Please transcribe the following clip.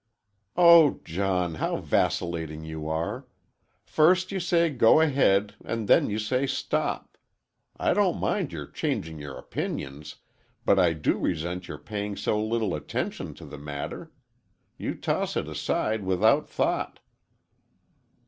"Oh, John, how vacillating you are! First, you say go ahead, and then you say stop! I don't mind your changing your opinions, but I do resent your paying so little attention to the matter. You toss it aside without thought."